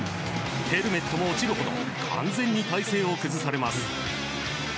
ヘルメットも落ちるほど完全に体勢を崩されます。